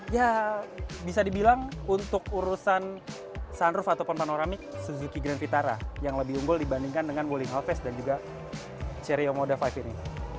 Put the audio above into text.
ya bisa dibilang untuk urusan sunroof ataupun panoramik suzuki grand vitara yang lebih unggul dibandingkan dengan wuling halves dan juga cerio moda lima ini